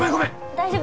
大丈夫？